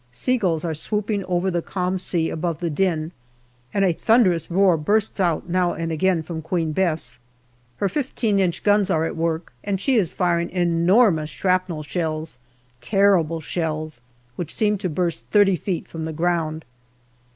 Sea gulls are swooping over the calm sea above the din, and a thunderous roar bursts out now and again from Queen Bess. Her 15 inch guns are at work, and she is firing enormous shrapnel shells terrible shells, which seem to burst 30 feet from the ground.